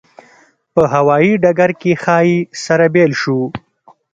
په هوایي ډګر کې ښایي سره بېل شو.